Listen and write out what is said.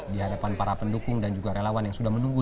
dihadapan para pendukung dan juga relawan yang sudah menunggu